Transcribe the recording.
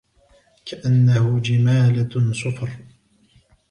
كَأَنَّهُ جِمَالَتٌ صُفْرٌ